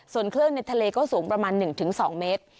ส่วนคลื่นในทะเลก็สูงประมาณ๑๒เมตร